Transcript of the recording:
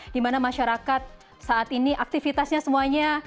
di mana masyarakat saat ini aktivitasnya semuanya